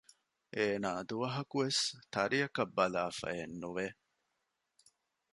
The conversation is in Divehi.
އޭނާ ދުވަހަކު ވެސް ތަރިއަކަށް ބަލާފައެއް ނުވެ